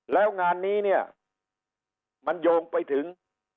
แล้วงานนี้เนี่ยมันโยงไปถึง